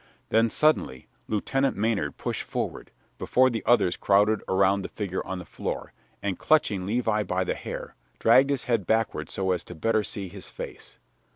Then, suddenly, Lieutenant Maynard pushed forward, before the others crowded around the figure on the floor, and, clutching Levi by the hair, dragged his head backward so as to better see his face.